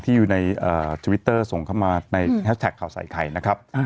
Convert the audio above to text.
อยู่ในทวิตเตอร์ส่งเข้ามาในแฮชแท็กข่าวใส่ไข่นะครับ